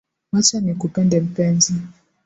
Wacha nikupende mpenzi